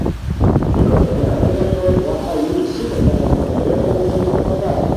بیکو ہے نہنگو سور دواہتہ یی نیسیکو تان کھونگیرین لاکھی تو پرائے